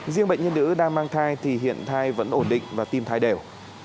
riêng bệnh nhân nữ đang mang thai thì hiện thai vẫn ổn định và tim thai đều